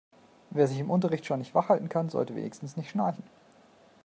Wer sich im Unterricht schon nicht wach halten kann, sollte wenigstens nicht schnarchen.